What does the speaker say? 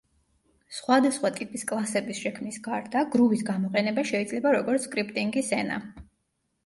სხვადასხვა ტიპის კლასების შექმნის გარდა, გრუვის გამოყენება შეიძლება როგორც სკრიპტინგის ენა.